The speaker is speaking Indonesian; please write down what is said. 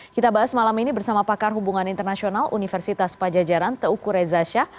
kita bahas malam ini bersama pakar hubungan internasional universitas pajajaran teukur reza shah